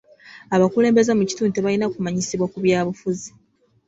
Abakulembeze mu kitundu tebalina kumanyisibwa ku byabufuzi.